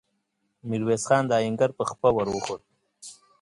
ميرويس خان د آهنګر پر پښه ور وخووت.